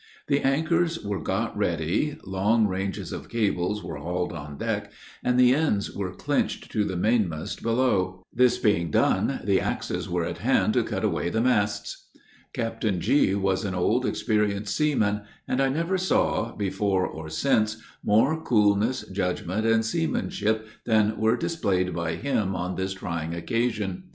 The anchors were got ready, long ranges of cables were hauled on deck, and the ends were clinched to the mainmast below; this being done, the axes were at hand to cut away the masts. [Illustration: BEFORE THE GALE.] Captain G. was an old, experienced seaman; and I never saw, before or since, more coolness, judgment, and seamanship, than were displayed by him on this trying occasion.